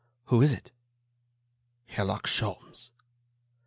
"Who is it?" "Herlock Sholmes."